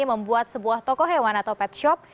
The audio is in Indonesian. membuat sebuah toko hewan atau pet shop